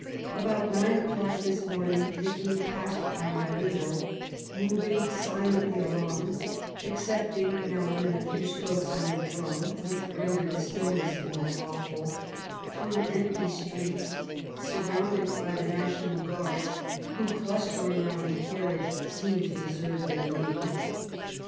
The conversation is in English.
About nine o'clock this morning the King passed by my window, moving silently along, excepting now and then a few strokes on the drum, which rendered the stillness more awful, through empty streets, surrounded by the National Guards, who, clustering round the carriage, seemed to deserve their name.